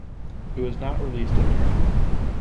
It was not released in Europe.